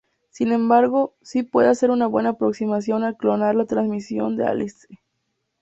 Sin embargo, sí puede hacer una buena aproximación al clonar la transmisión de Alice.